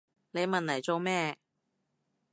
你問嚟做咩？